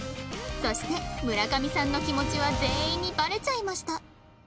そして村上さんの気持ちは全員にバレちゃいました